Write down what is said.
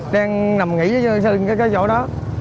đang nằm nghỉ ở cái chỗ đó